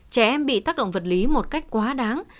trẻ em bị tác động vật lý một cách quá đáng